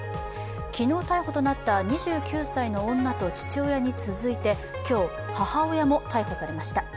昨日逮捕となった２９歳の女と父親に続いて今日、母親も逮捕されました。